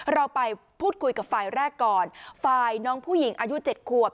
เราไปพูดคุยกับฝ่ายแรกก่อนฝ่ายน้องผู้หญิงอายุเจ็ดขวบ